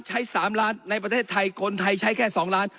ใช้๓ล้านในประเทศไทยคนไทยใช้แค่๒ล้าน